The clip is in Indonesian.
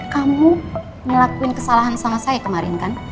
kamu ngelakuin kesalahan sama saya kemarin kan